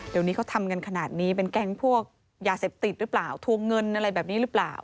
เดี๋ยวนี้เขาทำกันขนาดนี้เป็นแก๊งพวกยาเสพติดหรือเปล่าทวงเงินอะไรแบบนี้หรือเปล่า